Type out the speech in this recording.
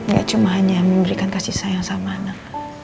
gak cuma hanya memberikan kasih sayang sama anak